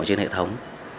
trên hệ thống